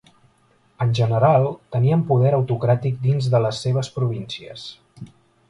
En general, tenien poder autocràtic dins de les seves províncies.